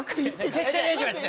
絶対大丈夫やって！